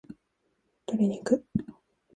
鶏肉